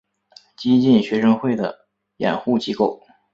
激进学生会的掩护机构。